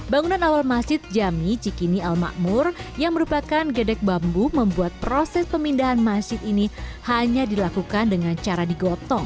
bangunan awal masjid jami cikini al makmur yang merupakan gedek bambu membuat proses pemindahan masjid ini hanya dilakukan dengan cara digotong